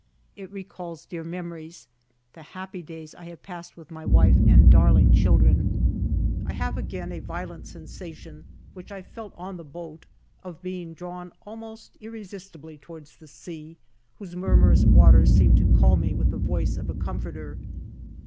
It recalls dear memories, the happy days I have passed with my wife and dar ling children. I have again a violent sensation, which I felt on the boat, of being drawn almost irresistibly toward the sea, whose murmurous waters seem to call me with the voice of a comforter.